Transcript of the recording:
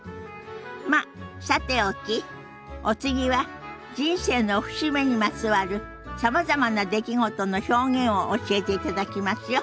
まっさておきお次は人生の節目にまつわるさまざまな出来事の表現を教えていただきますよ。